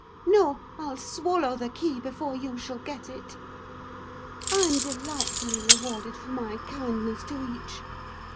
No, I'll swallow the key before you shall get it! I'm delightfully rewarded for my kindness to each!